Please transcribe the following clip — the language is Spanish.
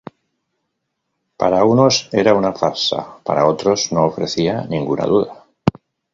Para unos era una farsa, para otros no ofrecía ninguna duda.